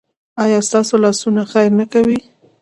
ایا ستاسو لاسونه خیر نه کوي؟